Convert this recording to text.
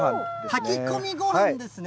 炊き込みごはんですね。